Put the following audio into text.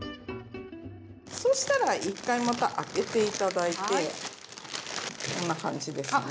そしたら１回また開けて頂いてこんな感じですね。